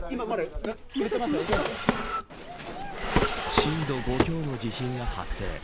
震度５強の地震が発生。